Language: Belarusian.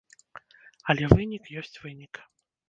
Але вынік ёсць вынік.